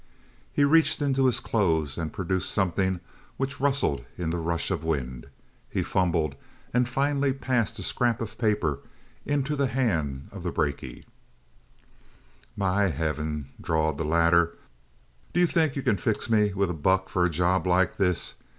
He reached into his clothes and produced something which rustled in the rush of wind. He fumbled, and finally passed a scrap of the paper into the hand of the brakie. "My heavens," drawled the latter. "D'you think you can fix me with a buck for a job like this?